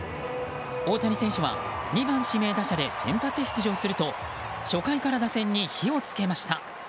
大谷選手は２番指名打者で先発出場すると初回から打線に火を付けました。